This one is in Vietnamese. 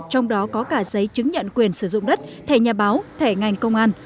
trong đó có cả giấy chứng nhận quyền sử dụng đất thẻ nhà báo thẻ ngành công an